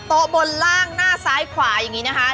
โต๊ะบนล่างหน้าซ้ายขวายังงี้นะคะ